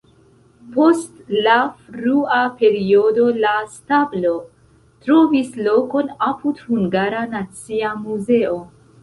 Post la frua periodo la stabo trovis lokon apud Hungara Nacia Muzeo.